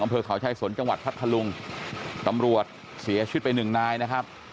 อำเภอเขาชายสนจังหวัดพัทธลุงตำรวจเสียชีวิตไปหนึ่งนายนะครับ